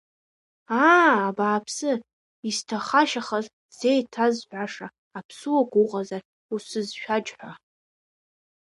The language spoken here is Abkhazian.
Аа, абааԥсы, исҭахашьахаз сзеиҭазҳәаша аԥсуак уҟазар усызшәаџьҳәа.